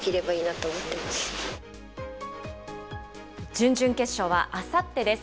準々決勝はあさってです。